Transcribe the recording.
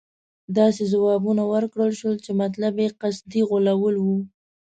داسې ځوابونه ورکړل شول چې مطلب یې قصدي غولول وو.